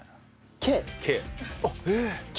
Ｋ？